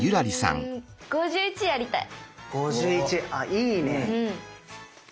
いいね。